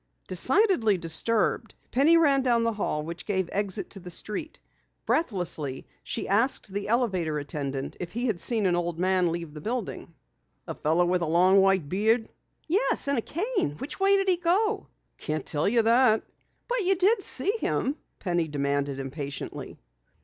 Decidedly disturbed, Penny ran down the hall which gave exit to the street. Breathlessly she asked the elevator attendant if he had seen an old man leave the building. "A fellow with a long white beard?" "Yes, and a cane. Which way did he go?" "Can't tell you that." "But you did see him?" Penny demanded impatiently.